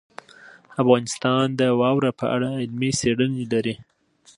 افغانستان د واوره په اړه علمي څېړنې لري.